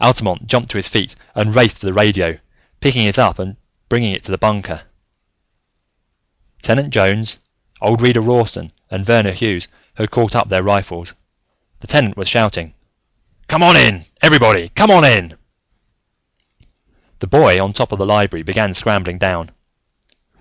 Altamont jumped to his feet and raced for the radio, picking it up and bring it to the bunker. Tenant Jones, old Reader Rawson, and Verner Hughes had caught up their rifles. The Tenant was shouting. "Come on in! Everybody, come on in!" The boy on top of the library began scrambling down.